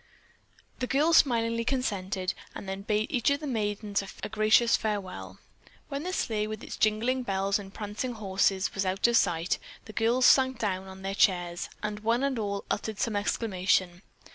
The girl smilingly consented and then bade each of the maidens a gracious farewell. When the sleigh with its jingling bells and prancing horses was out of sight, the girls sank down on their chairs and one and all uttered some exclamation.